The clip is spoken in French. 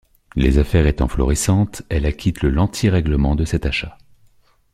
Les affaires étant florissantes, elle acquitte le l'entier règlement de cet achat.